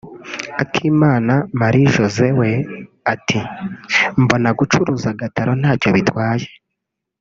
Akimana Marie Josee we ati “Mbona gucuruza agataro ntacyo bitwaye